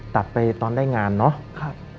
ตัดไปตอนได้งานเนาะ